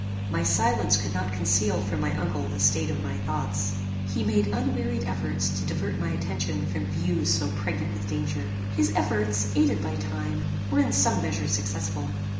My silence could not conceal from my uncle the state of my thoughts. He made unwearied efforts to divert my attention from views so pregnant with danger. His efforts, aided by time, were in some measure successful.